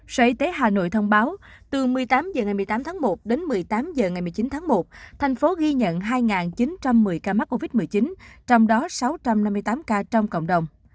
sở y tế hà nội thông báo từ một mươi tám h ngày một mươi tám tháng một đến một mươi tám h ngày một mươi chín tháng một thành phố ghi nhận hai chín trăm một mươi ca mắc covid một mươi chín trong đó sáu trăm năm mươi tám ca trong cộng đồng